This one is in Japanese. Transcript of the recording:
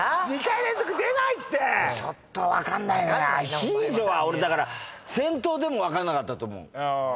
「アヒージョ」は俺だから先頭でも分かんなかったと思う。